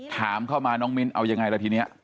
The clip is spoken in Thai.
ถามเข้ามาน้องมิ้นเอายังไงล่ะทีนี้